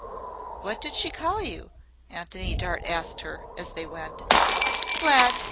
"What did she call you?" Antony Dart asked her as they went. "Glad.